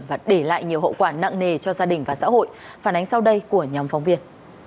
và để lại nhiều hậu quả nặng nề cho gia đình và xã hội phản ánh sau đây của nhóm phóng viên